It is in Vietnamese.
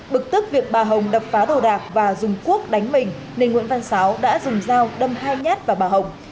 bực tức việc bà hồng đập phá đồ đạc và dùng quốc đánh mình nên nguyễn văn sáu đã dùng dao đâm hai nhát vào bà hồng